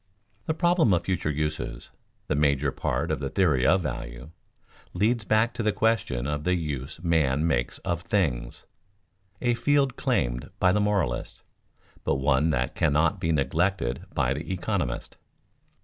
The problem of future uses, the major part of the theory of value, leads back to the question of the use man makes of things a field claimed by the moralist, but one that cannot be neglected by the economist.